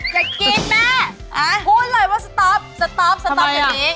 อย่ากินแม่พูดเลยว่าสต๊อปสต๊อปสต๊อปอย่างนี้